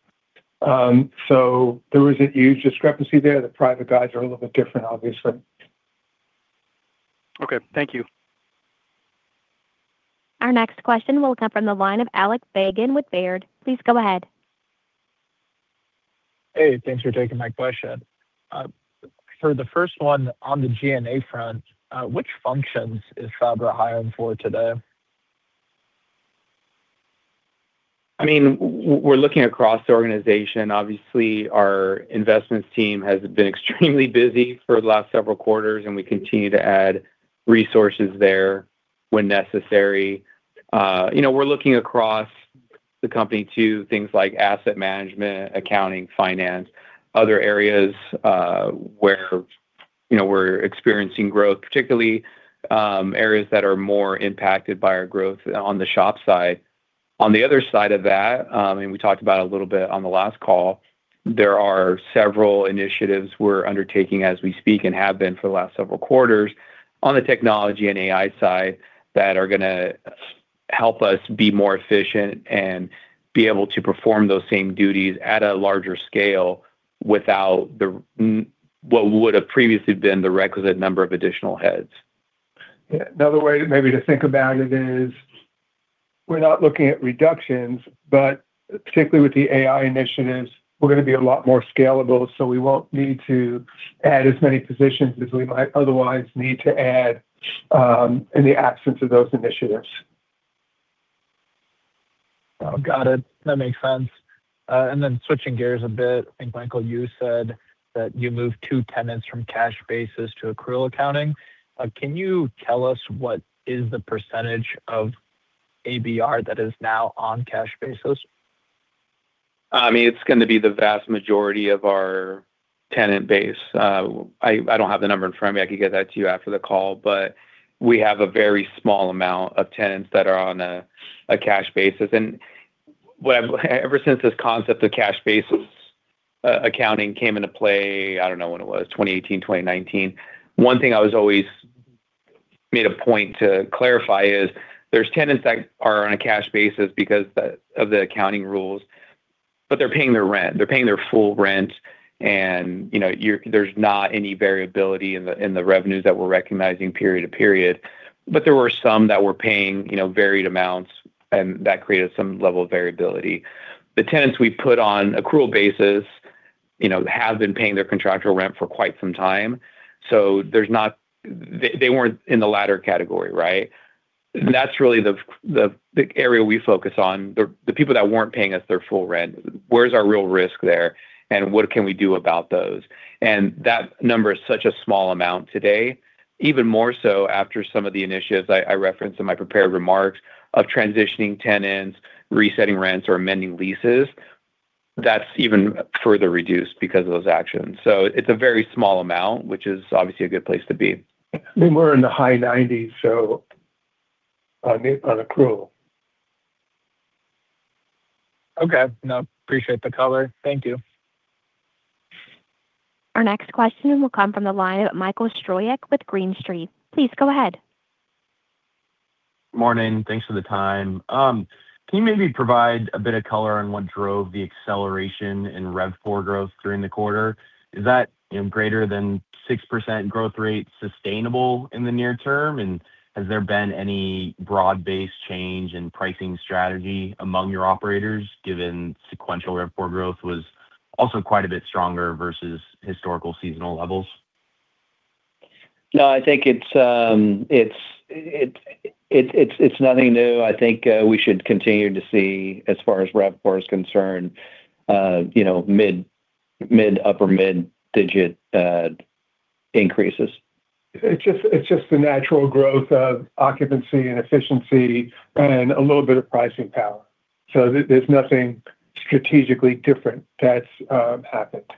[SPEAKER 3] There isn't huge discrepancy there. The private guys are a little bit different, obviously.
[SPEAKER 13] Okay. Thank you.
[SPEAKER 1] Our next question will come from the line of Alec Feygin with Baird. Please go ahead.
[SPEAKER 14] Hey, thanks for taking my question. For the first one on the G&A front, which functions is Sabra hiring for today?
[SPEAKER 4] We're looking across the organization. Obviously, our investments team has been extremely busy for the last several quarters, and we continue to add resources there when necessary. We're looking across the company to things like asset management, accounting, finance, other areas where we're experiencing growth, particularly areas that are more impacted by our growth on the SHOP side. On the other side of that, and we talked about it a little bit on the last call, there are several initiatives we're undertaking as we speak and have been for the last several quarters on the technology and AI side that are going to help us be more efficient and be able to perform those same duties at a larger scale without what would have previously been the requisite number of additional heads.
[SPEAKER 3] Yeah. Another way maybe to think about it is we're not looking at reductions, but particularly with the AI initiatives, we're going to be a lot more scalable, so we won't need to add as many positions as we might otherwise need to add in the absence of those initiatives.
[SPEAKER 14] Oh, got it. That makes sense. Switching gears a bit, I think, Michael, you said that you moved two tenants from cash basis to accrual accounting. Can you tell us what is the percentage of ABR that is now on cash basis?
[SPEAKER 5] It's going to be the vast majority of our tenant base. I don't have the number in front of me. I could get that to you after the call. We have a very small amount of tenants that are on a cash basis. Ever since this concept of cash basis accounting came into play, I don't know when it was, 2018, 2019, one thing I always made a point to clarify is there's tenants that are on a cash basis because of the accounting rules, but they're paying their rent. They're paying their full rent, and there's not any variability in the revenues that we're recognizing period to period. There were some that were paying varied amounts, and that created some level of variability. The tenants we've put on accrual basis have been paying their contractual rent for quite some time, so they weren't in the latter category. Right? That's really the area we focus on, the people that weren't paying us their full rent. Where's our real risk there, and what can we do about those? That number is such a small amount today, even more so after some of the initiatives I referenced in my prepared remarks of transitioning tenants, resetting rents, or amending leases. That's even further reduced because of those actions. It's a very small amount, which is obviously a good place to be.
[SPEAKER 3] We were in the high 90s on accrual.
[SPEAKER 14] Okay. No, appreciate the color. Thank you.
[SPEAKER 1] Our next question will come from the line of Michael Stroyeck with Green Street. Please go ahead.
[SPEAKER 15] Morning. Thanks for the time. Can you maybe provide a bit of color on what drove the acceleration in RevPAR growth during the quarter? Is that greater than 6% growth rate sustainable in the near term, and has there been any broad-based change in pricing strategy among your operators, given sequential RevPAR growth was also quite a bit stronger versus historical seasonal levels?
[SPEAKER 5] No, I think it's nothing new. I think we should continue to see, as far as RevPAR is concerned, upper mid digit increases.
[SPEAKER 3] It's just the natural growth of occupancy and efficiency and a little bit of pricing power. There's nothing strategically different that's happened.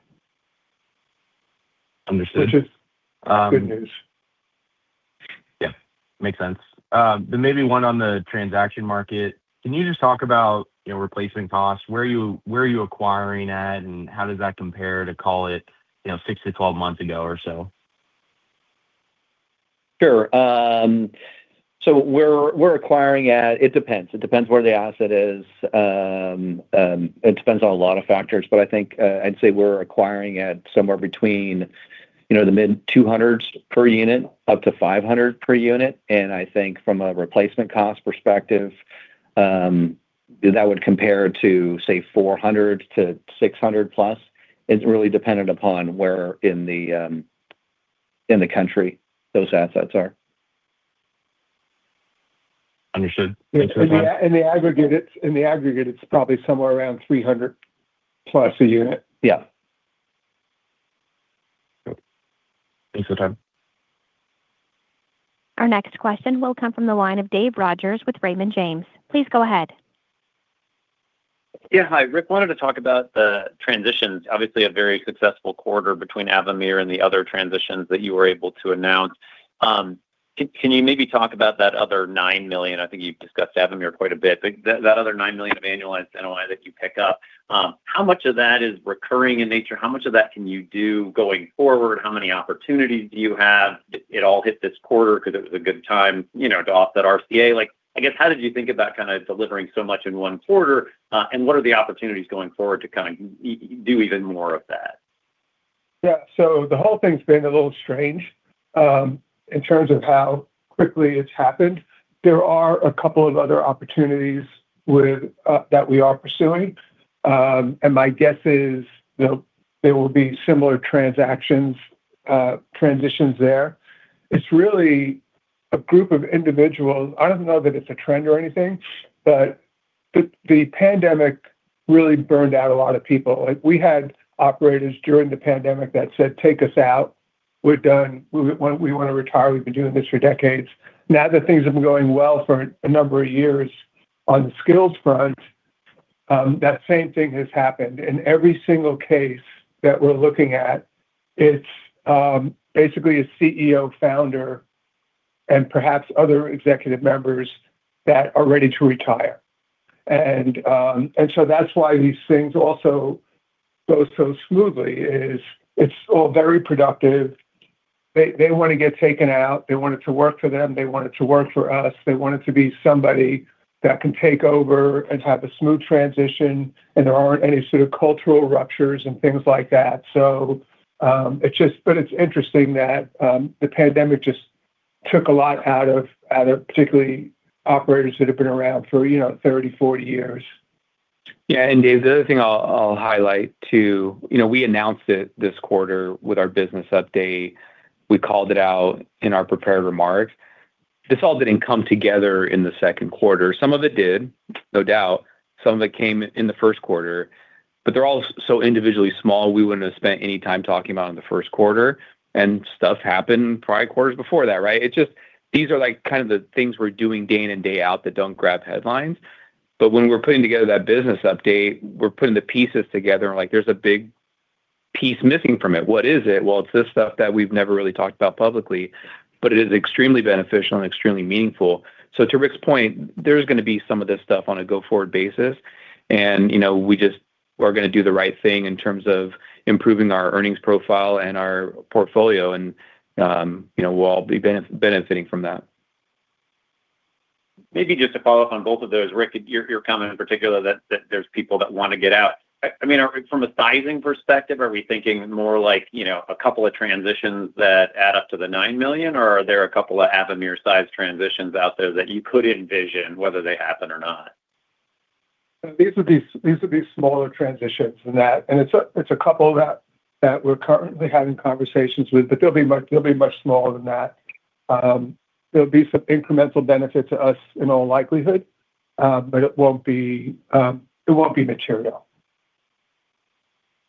[SPEAKER 15] Understood.
[SPEAKER 3] Which is good news.
[SPEAKER 15] Yeah. Makes sense. Maybe one on the transaction market. Can you just talk about replacement costs? Where are you acquiring at, and how does that compare to call it, 6 to 12 months ago or so?
[SPEAKER 5] Sure. We're acquiring at It depends. It depends where the asset is. It depends on a lot of factors, but I think I'd say we're acquiring at somewhere between the mid-200s per unit up to 500 per unit. I think from a replacement cost perspective, that would compare to, say, 400 to 600+. It's really dependent upon where in the country those assets are.
[SPEAKER 15] Understood. Thanks for the time.
[SPEAKER 3] In the aggregate, it's probably somewhere around $300-plus a unit.
[SPEAKER 5] Yeah.
[SPEAKER 15] Thanks for the time.
[SPEAKER 1] Our next question will come from the line of David Rodgers with Raymond James. Please go ahead.
[SPEAKER 16] Yeah. Hi, Rick. I wanted to talk about the transitions. Obviously, a very successful quarter between Avamere and the other transitions that you were able to announce. Can you maybe talk about that other $9 million? I think you've discussed Avamere quite a bit. That other $9 million of annualized NOI that you pick up, how much of that is recurring in nature? How much of that can you do going forward? How many opportunities do you have? Did it all hit this quarter because it was a good time to offset RCA? I guess, how did you think about kind of delivering so much in one quarter, and what are the opportunities going forward to do even more of that?
[SPEAKER 3] Yeah. The whole thing's been a little strange in terms of how quickly it's happened. There are a couple of other opportunities that we are pursuing. My guess is there will be similar transitions there. It's really a group of individuals. I don't know that it's a trend or anything, but the pandemic really burned out a lot of people. We had operators during the pandemic that said, "Take us out. We're done. We want to retire. We've been doing this for decades." Now that things have been going well for a number of years on the skills front, that same thing has happened. In every single case that we're looking at, it's basically a CEO founder and perhaps other executive members that are ready to retire. That's why these things also go so smoothly is it's all very productive. They want to get taken out. They want it to work for them. They want it to work for us. They want it to be somebody that can take over and have a smooth transition, and there aren't any sort of cultural ruptures and things like that. It's interesting that the pandemic just took a lot out of particularly operators that have been around for 30, 40 years.
[SPEAKER 5] Yeah. David, the other thing I'll highlight too, we announced it this quarter with our business update. We called it out in our prepared remarks. This all didn't come together in the second quarter. Some of it did, no doubt. Some of it came in the first quarter. They're all so individually small, we wouldn't have spent any time talking about in the first quarter, and stuff happened prior quarters before that, right? It's just these are the kind of the things we're doing day in and day out that don't grab headlines. When we're putting together that business update, we're putting the pieces together and there's a big piece missing from it. What is it? Well, it's this stuff that we've never really talked about publicly, but it is extremely beneficial and extremely meaningful. To Rick's point, there's going to be some of this stuff on a go forward basis, and we just are going to do the right thing in terms of improving our earnings profile and our portfolio, and we'll all be benefiting from that.
[SPEAKER 16] Maybe just to follow up on both of those, Rick, your comment in particular that there's people that want to get out. From a sizing perspective, are we thinking more like a couple of transitions that add up to the $9 million, or are there a couple of Avamere size transitions out there that you could envision whether they happen or not?
[SPEAKER 3] These would be smaller transitions than that, and it's a couple that we're currently having conversations with. They'll be much smaller than that. There'll be some incremental benefit to us in all likelihood, but it won't be material.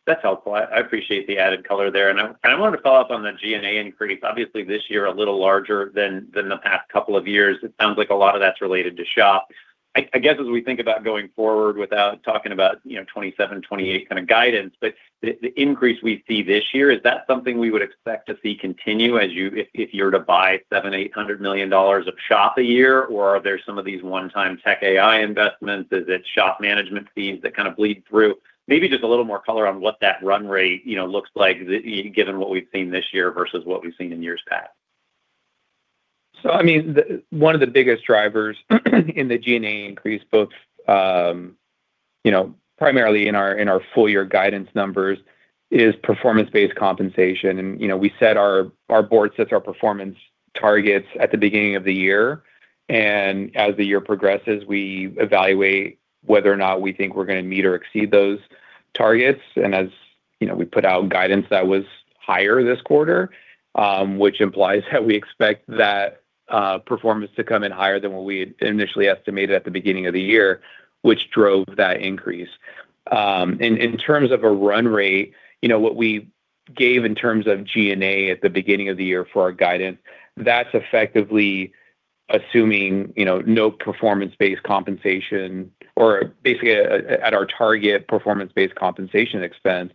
[SPEAKER 16] That's helpful. I appreciate the added color there, and I wanted to follow up on the G&A increase. Obviously, this year a little larger than the past couple of years. It sounds like a lot of that's related to SHOP. I guess as we think about going forward without talking about 2027, 2028 kind of guidance. The increase we see this year, is that something we would expect to see continue if you're to buy $700 million, $800 million of SHOP a year? Are there some of these one time tech AI investments? Is it SHOP management fees that kind of bleed through? Maybe just a little more color on what that run rate looks like given what we've seen this year versus what we've seen in years past.
[SPEAKER 5] One of the biggest drivers in the G&A increase, both primarily in our full year guidance numbers, is performance-based compensation. Our board sets our performance targets at the beginning of the year. And, as the year progresses, we evaluate whether or not we think we're going to meet or exceed those targets. As we put out guidance that was higher this quarter, which implies that we expect that performance to come in higher than what we had initially estimated at the beginning of the year, which drove that increase. In terms of a run rate, what we gave in terms of G&A at the beginning of the year for our guidance, that's effectively assuming no performance-based compensation or basically at our target performance-based compensation expense.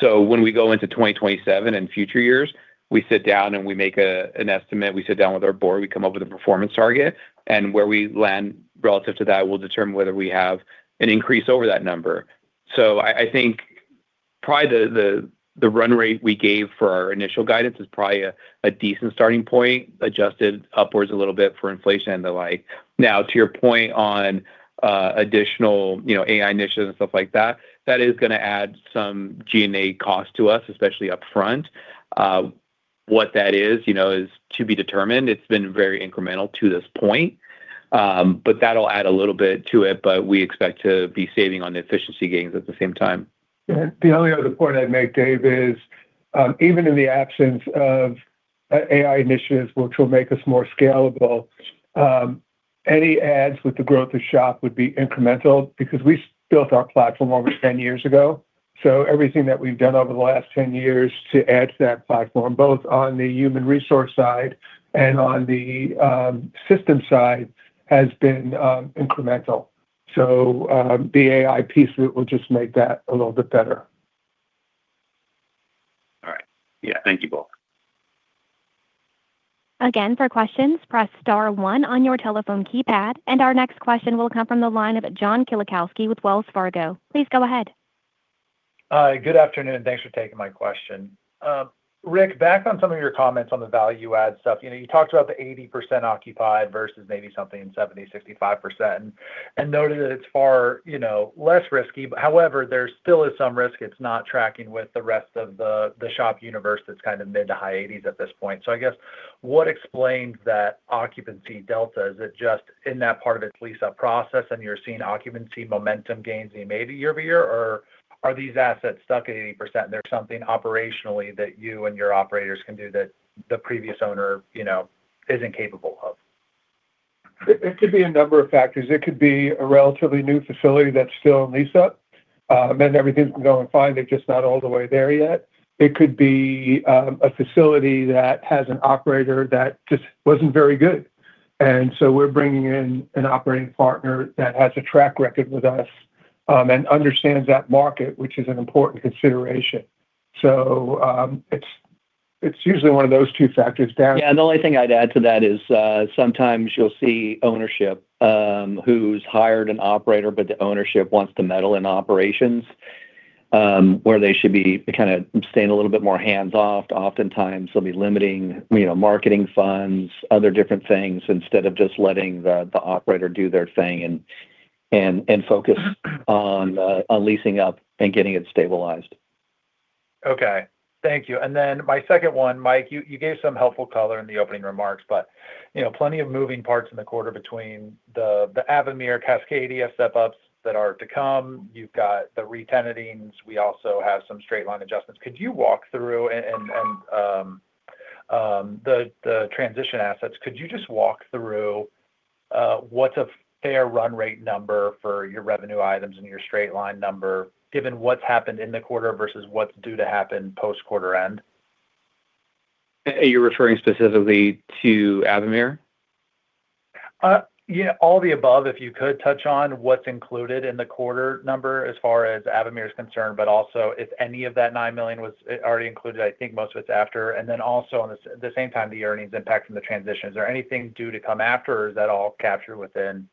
[SPEAKER 5] When we go into 2027 and future years, we sit down and we make an estimate. We sit down with our board, we come up with a performance target, and where we land relative to that will determine whether we have an increase over that number. I think probably the run rate we gave for our initial guidance is probably a decent starting point, adjusted upwards a little bit for inflation and the like. To your point on additional AI initiatives and stuff like that is going to add some G&A cost to us, especially upfront. What that is to be determined. It's been very incremental to this point. That'll add a little bit to it, but we expect to be saving on the efficiency gains at the same time.
[SPEAKER 3] Yeah. The only other point I'd make, David, is even in the absence of AI initiatives which will make us more scalable, any adds with the growth of SHOP would be incremental because we built our platform over 10 years ago. Everything that we've done over the last 10 years to add to that platform, both on the human resource side and on the system side, has been incremental. The AI piece of it will just make that a little bit better.
[SPEAKER 16] All right. Yeah. Thank you both.
[SPEAKER 1] For questions, press star one on your telephone keypad. Our next question will come from the line of John Kilichowski with Wells Fargo. Please go ahead.
[SPEAKER 17] Good afternoon. Thanks for taking my question. Rick, back on some of your comments on the value add stuff. You talked about the 80% occupied versus maybe something in 70%, 65%, noted that it's far less risky. However, there still is some risk. It's not tracking with the rest of the SHOP universe that's kind of mid to high 80s at this point. I guess what explains that occupancy delta? Is it just in that part of its lease up process and you're seeing occupancy momentum gains maybe year-over-year, or are these assets stuck at 80% and there's something operationally that you and your operators can do that the previous owner isn't capable of?
[SPEAKER 3] It could be a number of factors. It could be a relatively new facility that's still in lease up and everything's been going fine, they're just not all the way there yet. It could be a facility that has an operator that just wasn't very good. We're bringing in an operating partner that has a track record with us, understands that market, which is an important consideration. It's usually one of those two [factors].
[SPEAKER 5] Yeah. The only thing I'd add to that is, sometimes you'll see ownership, who's hired an operator, the ownership wants to meddle in operations, where they should be kind of staying a little bit more hands off. Oftentimes they'll be limiting marketing funds, other different things, instead of just letting the operator do their thing and focus on leasing up and getting it stabilized.
[SPEAKER 17] Okay. Thank you. Then my second one, Michael, you gave some helpful color in the opening remarks, but plenty of moving parts in the quarter between the Avamere, Cascadia step-ups that are to come. You've got the re-tenanting. We also have some straight line adjustments. Could you just walk through what's a fair run rate number for your revenue items and your straight line number, given what's happened in the quarter versus what's due to happen post quarter end?
[SPEAKER 5] You're referring specifically to Avamere?
[SPEAKER 17] Yeah. All the above. If you could touch on what's included in the quarter number as far as Avamere's concerned, but also if any of that $9 million was already included. I think most of it's after. Also, at the same time, the earnings impact from the transition. Is there anything due to come after or is that all captured within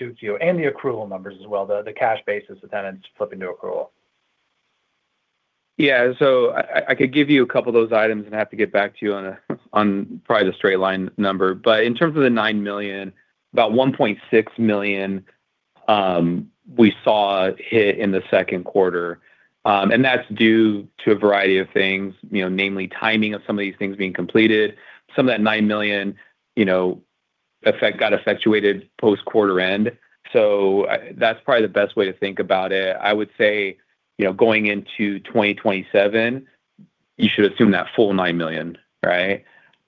[SPEAKER 17] 2Q? And the accrual numbers as well, the cash basis, the tenants flipping to accrual.
[SPEAKER 5] Yeah. I could give you a couple of those items and have to get back to you on probably the straight line number. In terms of the $9 million, about $1.6 million we saw hit in the second quarter. That's due to a variety of things, namely timing of some of these things being completed. Some of that $9 million got effectuated post quarter end. That's probably the best way to think about it. I would say, going into 2027, you should assume that full $9 million, right?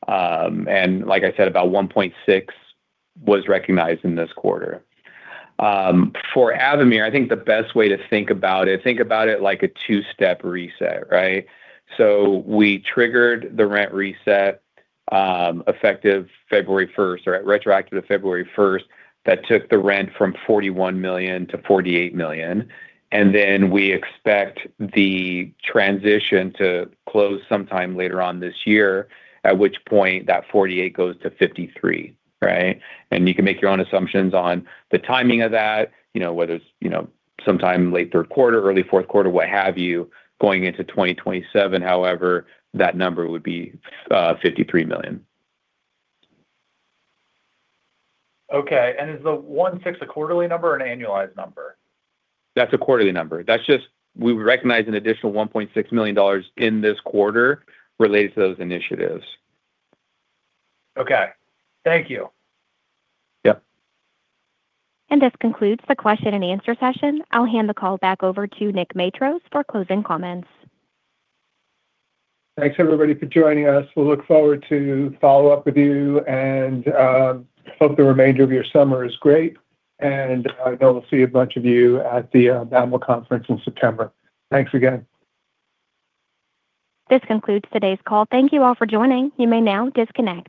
[SPEAKER 5] Like I said, about $1.6 was recognized in this quarter. For Avamere, I think the best way to think about it like a two-step reset, right? We triggered the rent reset retroactive to February 1st. That took the rent from $41 million to $48 million. We expect the transition to close sometime later on this year, at which point that $48 goes to $53, right? You can make your own assumptions on the timing of that, whether it's sometime late third quarter, early fourth quarter, what have you. Going into 2027, however, that number would be $53 million.
[SPEAKER 17] Okay. Is the $1.6 a quarterly number or an annualized number?
[SPEAKER 5] That's a quarterly number. That's just we recognize an additional $1.6 million in this quarter related to those initiatives.
[SPEAKER 17] Okay. Thank you.
[SPEAKER 5] Yep.
[SPEAKER 1] This concludes the question and answer session. I'll hand the call back over to Rick Matros for closing comments.
[SPEAKER 3] Thanks everybody for joining us. We'll look forward to follow up with you and hope the remainder of your summer is great, and I know we'll see a bunch of you at the Nareit Conference in September. Thanks again.
[SPEAKER 1] This concludes today's call. Thank you all for joining. You may now disconnect.